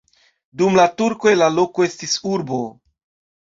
Dum la turkoj la loko estis urbo.